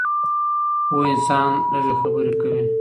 پوه انسان لږې خبرې کوي.